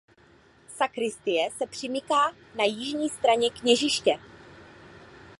Sakristie se přimyká na jižní straně kněžiště.